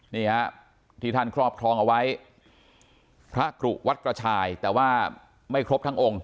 นี่ฮะที่ท่านครอบครองเอาไว้พระกรุวัดกระชายแต่ว่าไม่ครบทั้งองค์